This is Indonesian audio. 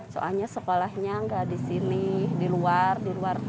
soalnya sekolahnya nggak di sini di luar di luar